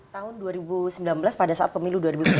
tahun dua ribu sembilan belas pada saat pemilu dua ribu sembilan belas